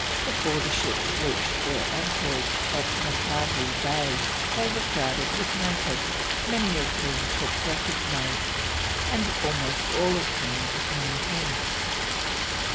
Before the ships reached their anchorage at Matavai Bay they were crowded with natives, many of whom Cook recognised, and almost all of whom knew him.